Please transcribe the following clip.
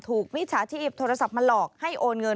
มิจฉาชีพโทรศัพท์มาหลอกให้โอนเงิน